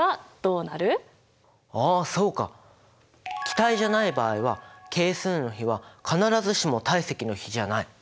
気体じゃない場合は係数の比は必ずしも体積の比じゃない！